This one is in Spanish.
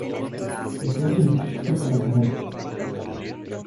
Dejó el instituto para casarse.